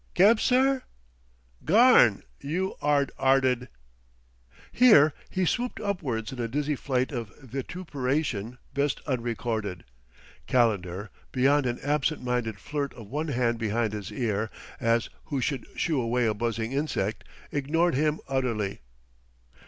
Kebsir?... Garn, you 'ard 'arted " Here he swooped upwards in a dizzy flight of vituperation best unrecorded. Calendar, beyond an absent minded flirt of one hand by his ear, as who should shoo away a buzzing insect, ignored him utterly.